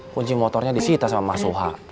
kunci motornya disita sama mas soha